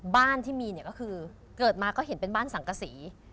บ้านที่มีเนี่ยก็คือเกิดมาก็เห็นเป็นบ้านสังกษี